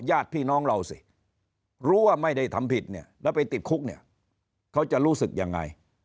ญาติพี่น้องเราสิรู้ว่าไม่ได้ทำผิดเนี่ยแล้วไปติดคุกเนี่ยเขาจะรู้สึกยังไง